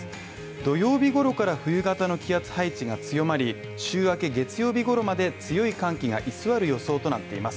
土曜日頃から冬型の気圧配置が強まり、週明け月曜日頃まで強い寒気が居座る予想となっています。